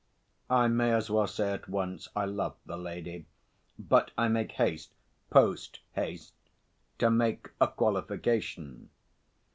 I may as well say at once, I loved the lady, but I make haste post haste to make a qualification.